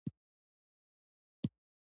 ځمکه د افغانستان د ولایاتو په کچه توپیر لري.